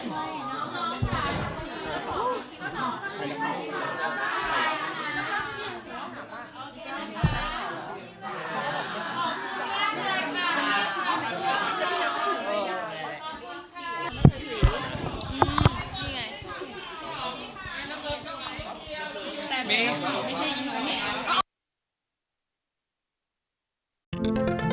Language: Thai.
ไม่น้องฆิราตาคนนั้น